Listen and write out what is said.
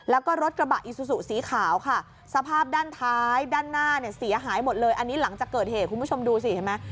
อันนี้หลังจากเกิดเหตุคุณผู้ชมดูสิเห็นไหม